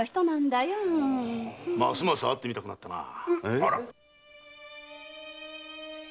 ますます会ってみたくなったな。